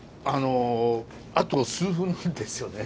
あと数分なんですよね。